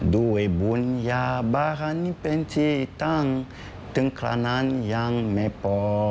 ด้วยบุญญาบานเป็นที่ตั้งถึงขนาดนั้นยังไม่พอ